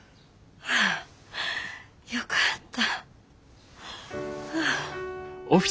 あぁよかった。